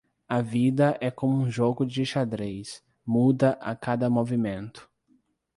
A vida é como um jogo de xadrez, muda a cada movimento.